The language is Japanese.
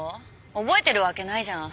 覚えてるわけないじゃん。